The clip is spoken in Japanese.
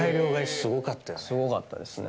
すごかったですね。